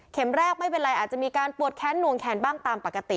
แรกไม่เป็นไรอาจจะมีการปวดแค้นหน่วงแขนบ้างตามปกติ